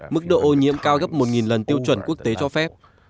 mức độ ô nhiễm cao gấp một lần tiêu chuẩn quốc tế cho phép